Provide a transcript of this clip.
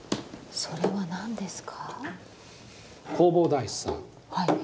それは何ですか？